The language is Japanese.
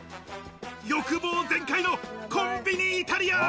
欲望全開のコンビニイタリアン。